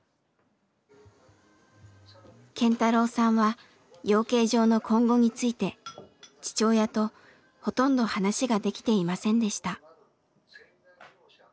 健太郎さんは養鶏場の今後について父親とほとんど話ができていませんでした。